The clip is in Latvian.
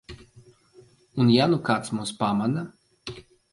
Un ja nu kāds mūs pamana?